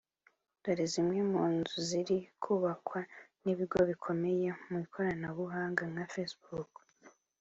Dore zimwe mu nzu ziri kubakwa n’ibigo bikomeye mu ikoranabuhanga nka Facebook